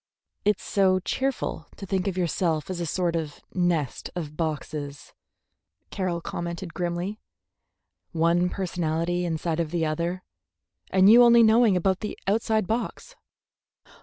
"It's so cheerful to think of yourself as a sort of nest of boxes," Carroll commented grimly, "one personality inside of the other, and you only knowing about the outside box."